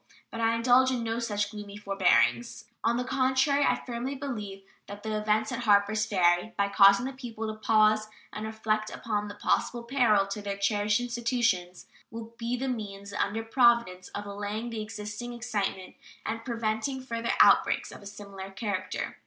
But I indulge in no such gloomy forebodings. On the contrary, I firmly believe that the events at Harpers Ferry, by causing the people to pause and reflect upon the possible peril to their cherished institutions, will be the means under Providence of allaying the existing excitement and preventing further outbreaks of a similar character.